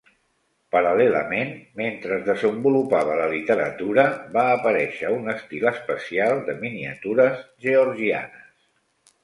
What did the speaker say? Paral·lelament, mentre es desenvolupava la literatura, va aparèixer un estil especial de miniatures georgianes.